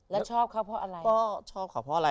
แล้วชอบเขาเพราะอะไร